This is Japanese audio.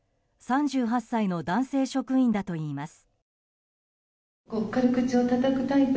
３８歳の男性職員だといいます。